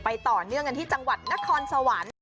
ต่อเนื่องกันที่จังหวัดนครสวรรค์